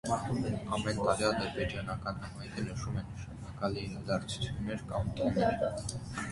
Ամեն տարի ադրբեջանական համայնքը նշում է նշանակալի իրադարձություններ կամ տոներ։